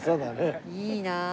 いいなあ。